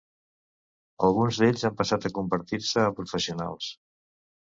Alguns d'ells han passat a convertir-se en professionals.